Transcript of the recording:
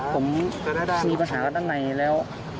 ผมมีปัญหากันด้านในแล้ว